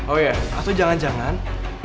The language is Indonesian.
oh iya atau jangan jangan